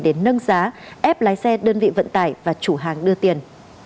để nâng giá ép lái xe đơn vị vận tải và chủ hàng đưa tiền